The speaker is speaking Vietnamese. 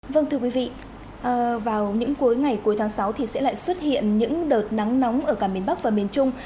vâng thưa quý vị vào những cuối ngày cuối tháng sáu thì sẽ lại xuất hiện những đợt nắng nóng ở cả miền bắc và miền trung